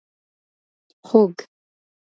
خوګ 🐷